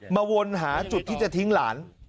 วนหาจุดที่จะทิ้งหลาน